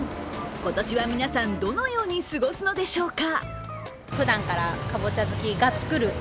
今年は皆さんどのように過ごすのでしょうか。